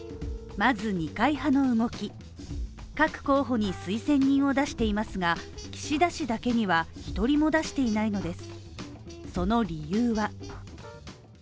まず二階派の動き、各候補に推薦人を出していますが岸田氏だけには１人も出していないのです